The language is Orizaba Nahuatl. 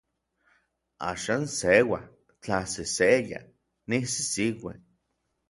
Axan seua, tlaseseya, nisisikue.